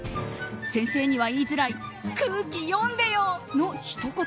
先生には言いづらい空気読んでよ！のひと言。